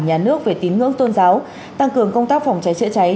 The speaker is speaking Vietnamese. nhà nước về tín ngưỡng tôn giáo tăng cường công tác phòng cháy chữa cháy